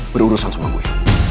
berurusan sama gue